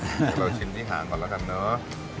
เดี๋ยวเราชิมที่หางก่อนแล้วกันเนอะ